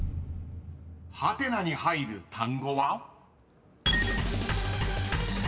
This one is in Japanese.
［ハテナに入る単語は？］